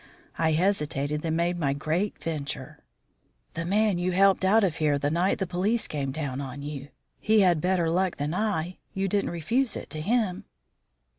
I hesitated, then made my great venture. "The man you helped out of here the night the police came down on you. He had better luck than I. You didn't refuse it to him."